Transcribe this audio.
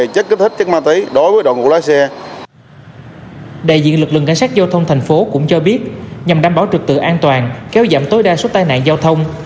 cảnh sát giao thông thành phố cũng cho biết nhằm đảm bảo trực tự an toàn kéo giảm tối đa số tai nạn giao thông